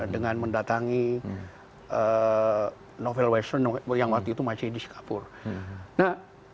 dengan mendatangi novel baswedan yang waktu itu masih di singapura